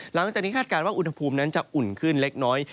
หลังจากนี้คาดการณ์ว่าอุณหภูมินั้นจะอุ่นขึ้นเล็กน้อย